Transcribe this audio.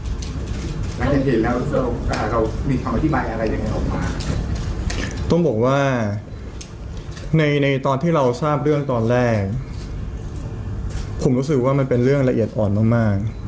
สมมติว่าในตอนที่เราทราบเรื่องตอนแรกผมรู้สึกว่ามันเป็นเรื่องละเอียดอ่อนมาก